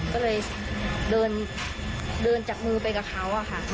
ก็เลยเดินจับมือไปกับเขาอะค่ะ